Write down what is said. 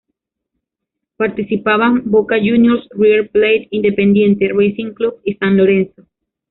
Participaban, Boca Juniors, River Plate, Independiente, Racing Club y San Lorenzo.